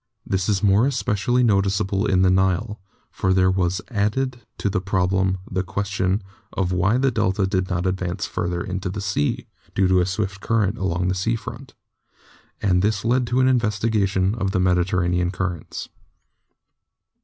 This is more especially noticeable in the Nile, for there was added to the problem the question of why the delta did not advance further into the sea (due to a swift current along the sea front), and this led to an investigation of the Mediterranean currents.